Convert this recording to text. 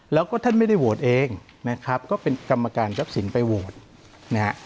แล้วก็ท่านไม่ได้โหวตเองนะครับก็เป็นกรรมการทรัพย์สินไปโหวตนะฮะ